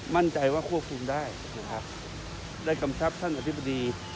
มั่นใจว่าครับควบคุมได้ครับได้คำคำทำคุมศาลอธิบดี